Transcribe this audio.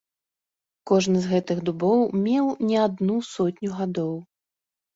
Кожны з гэтых дубоў меў не адну сотню гадоў.